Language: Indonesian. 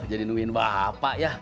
jadi nguhin bapak ya